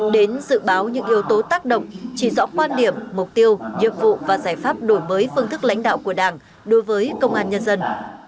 đến dự báo những yếu tố tác động chỉ dõi quan điểm mục tiêu nhiệm vụ và giải pháp đổi mới phương thức lãnh đạo của đảng đối với công an nhân dân